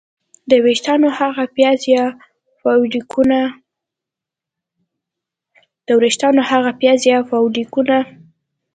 د ویښتانو هغه پیاز یا فولیکولونه